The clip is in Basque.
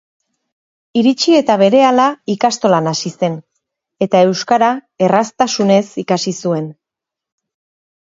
Iritsi eta berehala ikastolan hasi zen, eta euskara erraztasunez ikasi zuen.